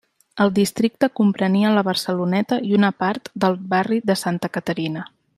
El districte comprenia la Barceloneta i una part del barri de Santa Caterina.